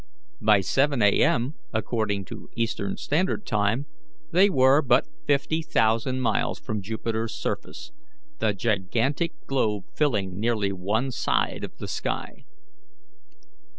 By 7 A. M., according to Eastern standard time, they were but fifty thousand miles from Jupiter's surface, the gigantic globe filling nearly one side of the sky.